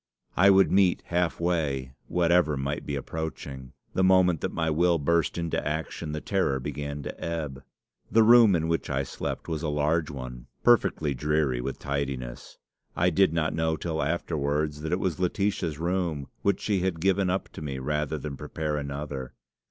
I would meet half way whatever might be approaching. The moment that my will burst into action the terror began to ebb. "The room in which I slept was a large one, perfectly dreary with tidiness. I did not know till afterwards that it was Laetitia's room, which she had given up to me rather than prepare another.